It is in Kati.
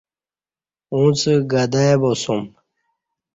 اڅ گدائی باسوم